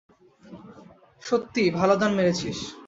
সত্যি, ভালো দান মেরেছিস।